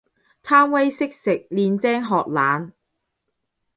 貪威識食，練精學懶